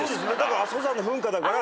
阿蘇山の噴火だから。